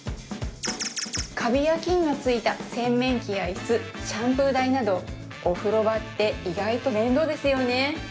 カビや菌がついた洗面器やイスシャンプー台などお風呂場って意外と面倒ですよね